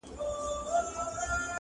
لا ویده پښتون له ځانه بېخبر دی.!